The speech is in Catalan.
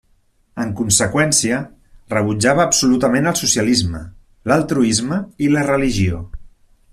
En conseqüència, rebutjava absolutament el socialisme, l'altruisme i la religió.